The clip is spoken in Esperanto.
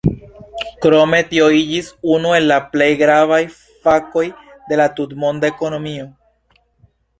Krome tio iĝis unu el la plej gravaj fakoj de la tutmonda ekonomio.